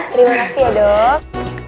terima kasih ya dok